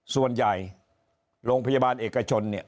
ส่วนใหญ่โรงพยาบาลเอกชนเนี่ย